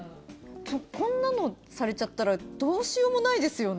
こんなのされちゃったらどうしようもないですよね。